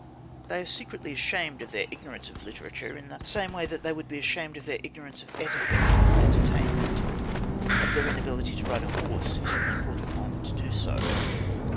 They are secretly ashamed of their ignorance of literature, in the same way as they would be ashamed of their ignorance of etiquette at a high entertainment, or of their inability to ride a horse if suddenly called upon to do so.